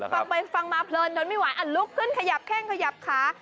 ฟังไปฟังมาเพลินทนไม่ไหวอ่ะลุกขึ้นขยับแข้งขยับขา